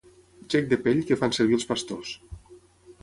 Gec de pell que fan servir els pastors.